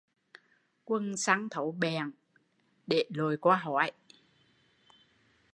Quần xăn thấu bẹn để lội qua hói